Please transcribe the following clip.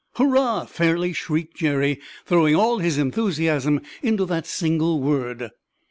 "Hurrah!" fairly shrieked Jerry, throwing all his enthusiasm into that single word.